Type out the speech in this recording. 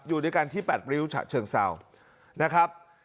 อยู่ด้วยกันที่๘ริ้วฉะเชิงเศร้านะครับ